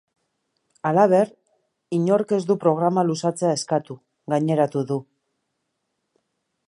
Halaber, inork ez du programa luzatzea eskatu, gaineratu du.